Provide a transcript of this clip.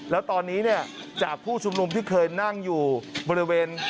แล้วตอนนี้เนี่ยจากผู้ชุมนุมที่เคยนั่งอยู่บริเวณ